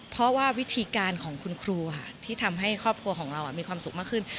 เพราะว่าวิธีการของคุณครูค่ะที่ทำให้ครอบครัวของเรามีความสุขมากขึ้น